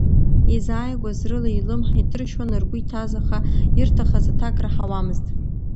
Изааигәаз рыла илымҳа иҭыршьуан ргәы иҭаз, аха ирҭахыз аҭак раҳауамызт.